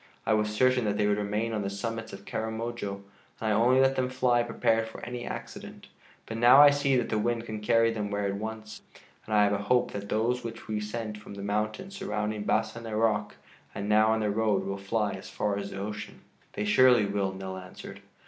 I was certain that they would remain on the summits of Karamojo and I only let them fly prepared for any accident. But now I see that the wind can carry them where it wants to and I have a hope that those which we sent from the mountains surrounding Bassa Narok, and now on the road, will fly as far as the ocean." "They surely will," Nell answered.